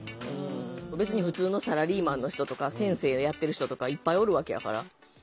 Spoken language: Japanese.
別に普通のサラリーマンの人とか先生をやってる人とかいっぱいおるわけやから。